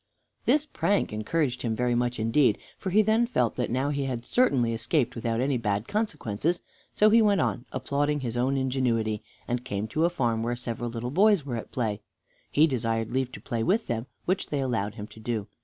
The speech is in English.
This prank encouraged him very much indeed, for he then felt that now he had certainly escaped without any bad consequences; so he went on applauding his own ingenuity, and came to a farm where several little boys were at play. He desired leave to play with them, which they allowed him to do.